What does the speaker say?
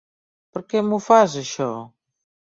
Per què m'ho fas, això?